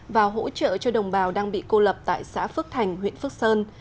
và hỗ trợ cho đồng bào đang bị cô lập tại xã phước thành huyện phước sơn